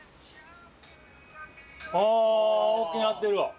あ大きくなってるわ。